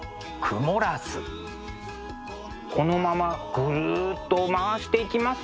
このままぐるっと回していきますと。